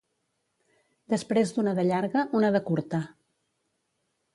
Després d'una de llarga, una de curta.